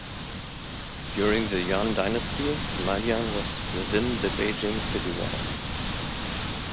During the Yuan Dynasty Madian was within the Beijing city wall.